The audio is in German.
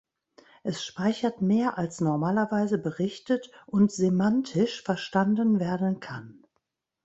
Es speichert mehr als normalerweise berichtet und semantisch verstanden werden kann.